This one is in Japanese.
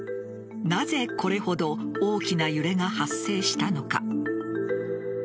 なぜこれほど大きな揺れが発生したのか。